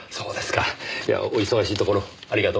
いやお忙しいところありがとうございました。